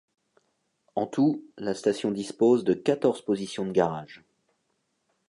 En tout, la station dispose de quatorze positions de garage.